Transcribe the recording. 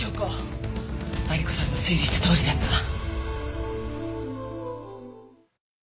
マリコさんの推理したとおりだったわ。